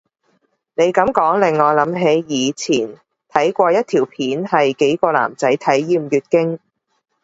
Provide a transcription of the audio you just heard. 你噉講令我諗起以前睇過一條片係幾個男仔體驗月經